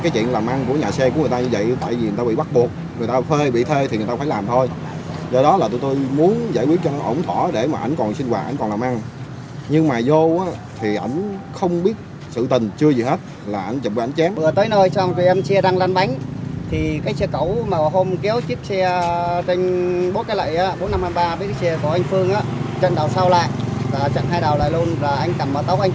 vừa tới nơi trong kia em xe đang lan bánh thì cái xe cầu mà hôm kéo chiếc xe trên bot cai lệ bốn nghìn năm trăm hai mươi ba bếp xe của anh phương chân đầu sau lại chân hai đầu lại luôn anh cầm vào tóc anh chấm